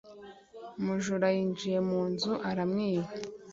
Umujura yinjiye mu nzu ye aramwiba